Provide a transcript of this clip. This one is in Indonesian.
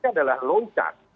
ini adalah long term